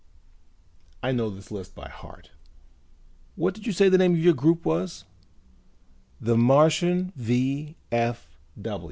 I know this list by heart. What did you say the name of your group was?" "The Martian V.